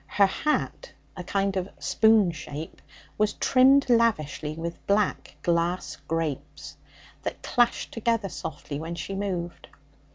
Her hat, a kind of spoon shape, was trimmed lavishly with black glass grapes, that clashed together softly when she moved.